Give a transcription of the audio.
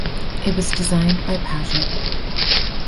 It was designed by Padgett.